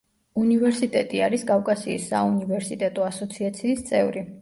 უნივერსიტეტი არის კავკასიის საუნივერსიტეტო ასოციაციის წევრი.